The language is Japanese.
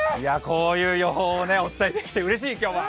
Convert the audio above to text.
こういう予報をお伝えできて、うれしい、今日は。